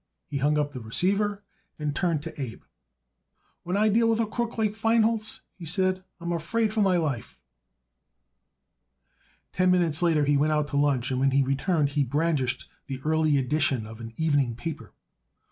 He hung up the receiver and turned to Abe. "When I deal with a crook like Feinholz," he said, "I'm afraid for my life." Ten minutes later he went out to lunch and when he returned he brandished the early edition of an evening paper.